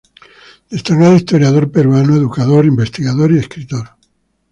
Destacado historiador peruano, educador, investigador y escritor.